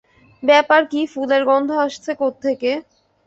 ব্যাপার কী ফুলের গন্ধ আসছে কোথেকে?